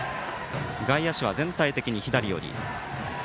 外野手は全体的に左寄り。